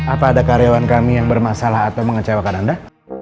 apa ada karyawan kami yang bermasalah atau mengecewakan anda